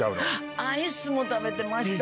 アイスも食べてました。